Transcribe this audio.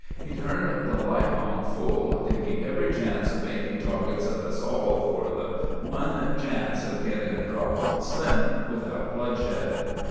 He turned the light on full, taking every chance of making targets of us all for the one chance of getting a drop on Slim without bloodshed.